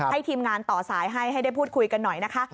ทีมงานต่อสายให้ให้ได้พูดคุยกันหน่อยนะคะ